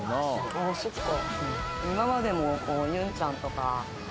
あそっか。